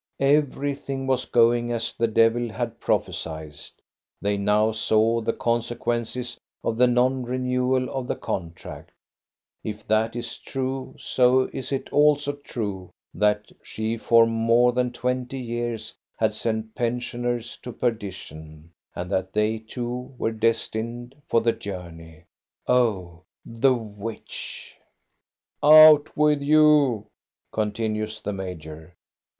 Everything was going as the devil had prophesied. They now saw the consequences of the non renewal of the contract. If that is true, so is it also true that she for more than twenty years had sent pensioners to perdition, and that they too were destined for the journey. Oh, the witch t $6 THE STORY OF GOSTA BERUNG " Out with you !" continues the major.